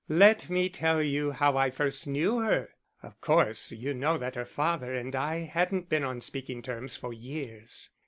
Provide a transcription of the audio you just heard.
Let me tell you how I first knew her. Of course you know that her father and I hadn't been on speaking terms for years.